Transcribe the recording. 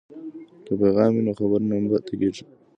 که پیغام وي نو خبر نه پاتې کیږي.